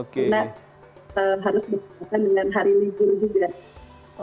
karena harus berkembang dengan hari libur juga